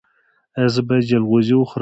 ایا زه باید جلغوزي وخورم؟